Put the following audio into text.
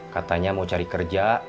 katanya mau cari kerja